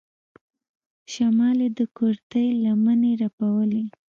شمال يې د کورتۍ لمنې رپولې.